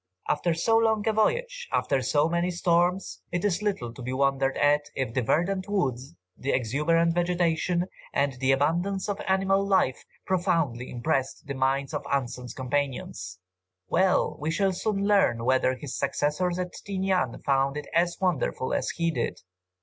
After so long a voyage, after so many storms, it is little to be wondered at, if the verdant woods, the exuberant vegetation, and the abundance of animal life, profoundly impressed the minds of Anson's companions. Well! we shall soon learn whether his successors at Tinian found it as wonderful as he did.